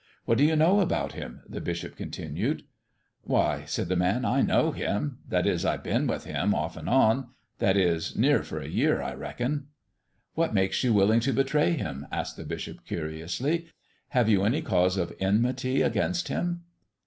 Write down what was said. "What do you know about Him?" the bishop continued. "Why," said the man, "I know Him that is, I've been with Him, off and on that is, near for a year, I reckon." "What makes you willing to betray Him?" asked the bishop, curiously. "Have you any cause of enmity against Him?"